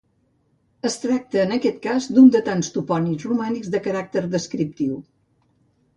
Es tracta, en aquest cas, d'un de tants topònims romànics de caràcter descriptiu.